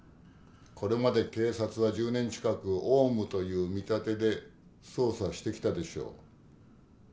これまで警察は１０年近くオウムという見立てで捜査してきたでしょう。